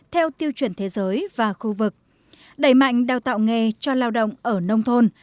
theo tiêu chuẩn thế giới và khu vực đẩy mạnh đào tạo nghề cho lao động ở nông thôn